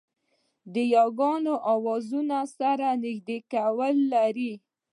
د یاګانو آوازونه سره نږدېوالی لري